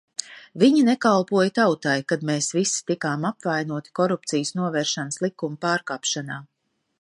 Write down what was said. Viņi nekalpoja tautai, kad mēs visi tikām apvainoti Korupcijas novēršanas likuma pārkāpšanā.